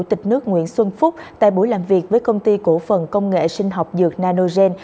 tịch nước nguyễn xuân phúc tại buổi làm việc với công ty cổ phần công nghệ sinh học dược nanogen